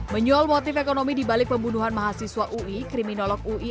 menyual motif ekonomi di balik pembunuhan mahasiswa ui